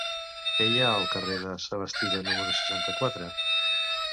Què hi ha al carrer de Sabastida número seixanta-quatre?